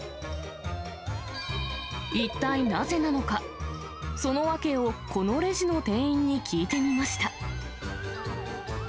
一体なぜなのか、その訳をこのレジの店員に聞いてみました。